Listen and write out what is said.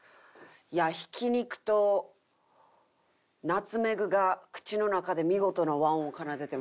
いやひき肉とナツメグが口の中で見事な和音を奏でてます。